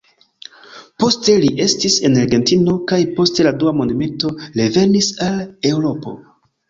Poste li estis en Argentino kaj post la Dua Mondmilito revenis al Eŭropo.